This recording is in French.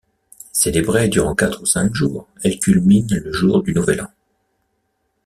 Célébrée durant quatre ou cinq jours, elle culmine le jour du nouvel an.